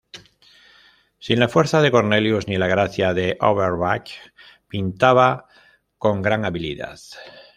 Sin la fuerza de Cornelius ni la gracia de Overbeck, pintaba con gran habilidad.